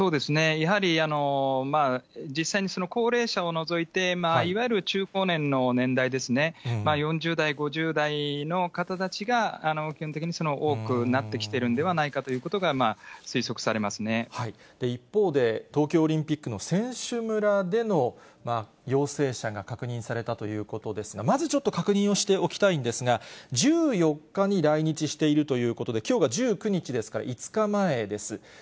やはり実際に高齢者を除いて、いわゆる中高年の年代ですね、４０代、５０代の方たちが、基本的に多くなってきてるんではないかということが推測されます一方で、東京オリンピックの選手村での陽性者が確認されたということですが、まずちょっと確認をしておきたいんですが、１４日に来日しているということで、きょうが１９日ですから５日前です。